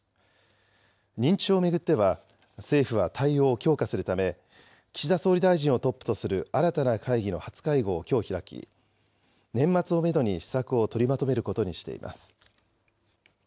認知症を巡っては、政府は対応を強化するため、岸田総理大臣をトップとする新たな会議の初会合をきょう開き、年末をメドに施策を取りまとめることにしています。